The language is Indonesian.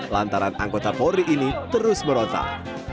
lantaran anggota polri ini terus merontak